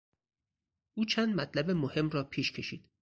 او چند مطلب مهم را پیش کشید.